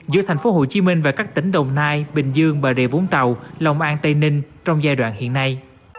giữa thành phố hồ chí minh và các tỉnh đồng nai bình dương bà rịa vũng tàu lòng an tây ninh trong giai đoạn hiện nay